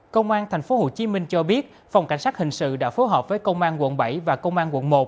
công an tp hcm cho biết phòng cảnh sát hình sự đã phối hợp với công an quận bảy và công an quận một